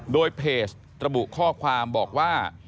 โดยเพจระบุข้อความบอกว่า